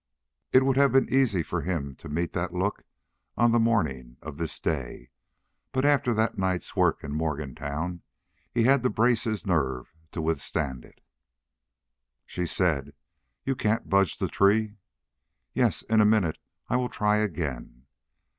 It would have been easy for him to meet that look on the morning of this day, but after that night's work in Morgantown he had to brace his nerve to withstand it. She said: "You can't budge the tree?" "Yes in a minute; I will try again."